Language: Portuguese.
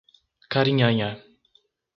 Carinhanha